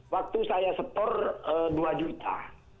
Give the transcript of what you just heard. waktu saya setor dua juta